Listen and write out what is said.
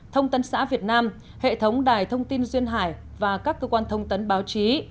thông tân xã việt nam hệ thống đài thông tin duyên hải và các cơ quan thông tấn báo chí